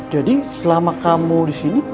jadi selama kamu disini